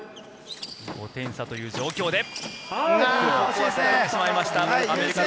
５点差という状況です。